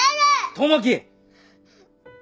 友樹。